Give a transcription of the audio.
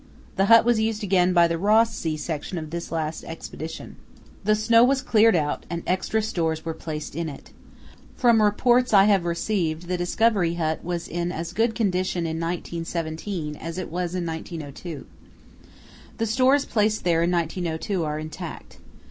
The hut was used again by the Ross Sea Section of this last Expedition. The snow was cleared out and extra stores were placed in it. From reports I have received the Discovery Hut was in as good condition in 1917 as it was in 1902. The stores placed there in 1902 are intact.